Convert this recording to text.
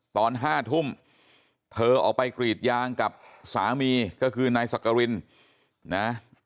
ตอน๕ทุ่มเธอออกไปกรีดยางกับสามีก็คือนายสักกรินนะ